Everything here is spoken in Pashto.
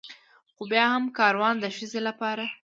خو بيا هم کاروان د ښځې لپاره